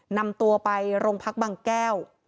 นำตัวไปโรงพักบางแก้ว